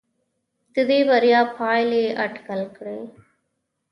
د دې بریا پایلې اټکل کړي.